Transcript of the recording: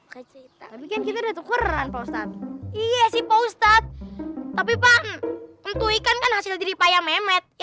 kita bikin kita tukeran post op iya sih post op tapi pak untuk ikan hasil diri payah mehmet ya